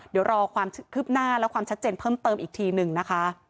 เดี๋ยวรอความคืบหน้าและความชัดเจนเพิ่มเติมอีกทีหนึ่งนะคะ